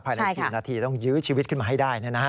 ภายใน๔นาทีต้องยื้อชีวิตขึ้นมาให้ได้